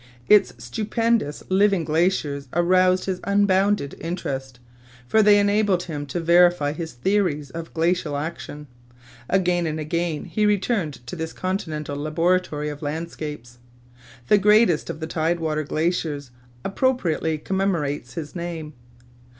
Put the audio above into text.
Its stupendous living glaciers aroused his unbounded interest, for they enabled him to verify his theories of glacial action. Again and again he returned to this continental laboratory of landscapes. The greatest of the tide water glaciers appropriately commemorates his name.